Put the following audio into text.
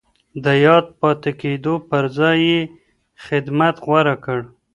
د ياد پاتې کېدو پر ځای يې خدمت غوره کړ.